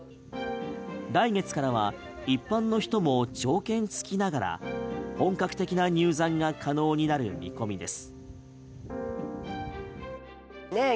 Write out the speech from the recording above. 来月からは一般の人も条件付きながら本格的な入山が可能になる見込みです。